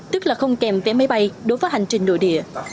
tức là không kèm vé máy bay đối với hành trình nội địa